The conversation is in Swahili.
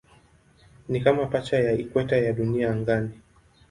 Ni kama pacha ya ikweta ya Dunia angani.